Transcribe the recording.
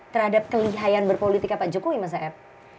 terhadap kelihayan berpolitik pak jokowi mas zaeb